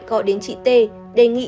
gọi đến chị t đề nghị